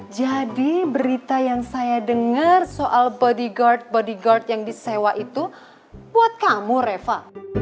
jadi berita yang saya dengar soal bodyguard bodyguard yang disewa itu buat kamu reva